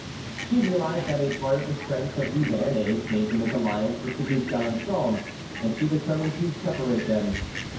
She realized that a part of the strength of the Béarnais came from his alliance with the Duc d'Alençon, and she determined to separate them.